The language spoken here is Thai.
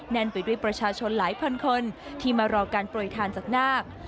ด้วยด้วยประชาชนหลายพันคนที่มารอการปล่อยทานจากนัก